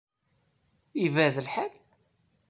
Yebɛed lḥal?